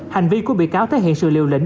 hành vi của bị cáo thể hiện sự liều lĩnh